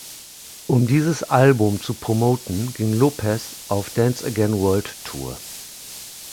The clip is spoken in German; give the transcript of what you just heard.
Um dieses Album zu promoten, ging Lopez auf Dance Again World Tour.